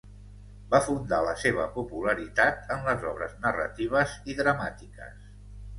Va fundar la seva popularitat en les obres narratives i dramàtiques.